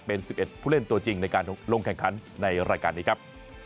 เป็น๑๑ผู้เล่นตัวจริงในการลงแข่งขันในรายการนี้ครับ